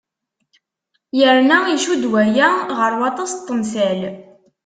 Yerna icudd waya ɣer waṭas n temsal.